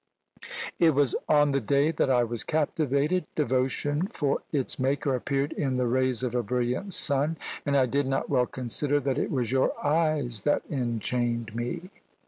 "It was on the day that I was captivated, devotion for its Maker appeared in the rays of a brilliant sun, and I did not well consider that it was your eyes that enchained me!"